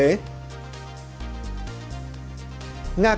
nga công tác